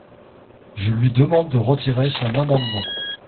Je lui demande de retirer son amendement.